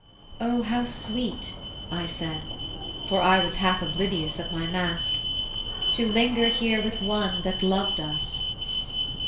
'O how sweet' I said (For I was half oblivious of my mask) 'To linger here with one that loved us.'